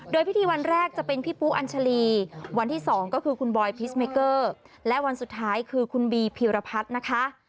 โดยพิธีวันแรกจะเป็นพี่ปูอัญชาลีวันที่๒ก็คือคุณบอยพิสเมเกอร์และวันสุดท้ายคือคุณบีพีรพัฒน์นะคะ